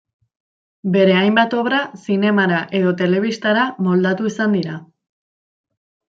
Bere hainbat obra zinemara edo telebistara moldatu izan dira.